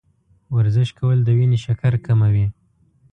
ورزش کول د وینې شکر کموي.